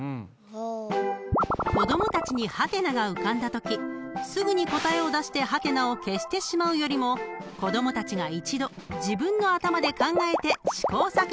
［子供たちにハテナが浮かんだときすぐに答えを出してハテナを消してしまうよりも子供たちが一度自分の頭で考えて試行錯誤することが大切です］